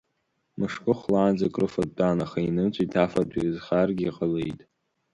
Мышкы хәлаанӡа крыфо дтәан, аха инымҵәеит афатә, изхарагьы ҟалеит.